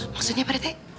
maksudnya pak rete